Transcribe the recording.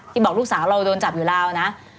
บอกลูกสาวเราโดนจับอยู่ลาวนะ